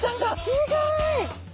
すごい！